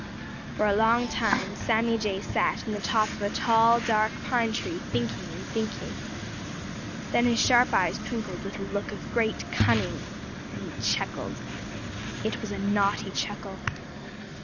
For a long time Sammy Jay sat in the top of a tall, dark pine tree, thinking and thinking. Then his sharp eyes twinkled with a look of great cunning, and he chuckled. It was a naughty chuckle.